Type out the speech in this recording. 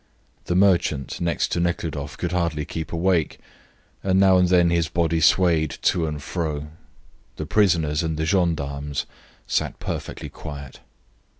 The merchant next to Nekhludoff could hardly keep awake, and now and then his body swayed to and fro. The prisoners and the gendarmes sat perfectly quiet.